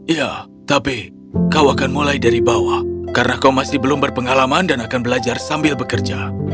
ya tapi kau akan mulai dari bawah karena kau masih belum berpengalaman dan akan belajar sambil bekerja